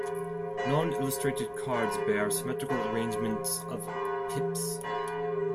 Non-illustrated cards bear symmetrical arrangements of pips.